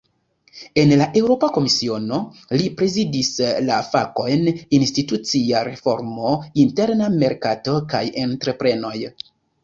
En la Eŭropa Komisiono, li prezidis la fakojn "institucia reformo, interna merkato kaj entreprenoj".